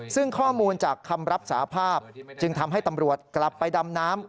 ซึ่งข้อมูลจากคำรับสาภาพจึงทำให้ตำรวจกลับไปดำน้ำ